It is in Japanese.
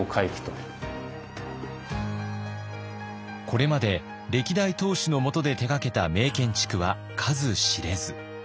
これまで歴代当主の下で手がけた名建築は数知れず。